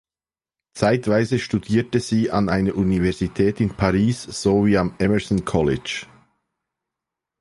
Zeitweise studierte sie an einer Universität in Paris sowie am Emerson College.